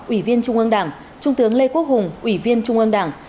ủy viên trung ương đảng trung tướng lê quốc hùng ủy viên trung ương đảng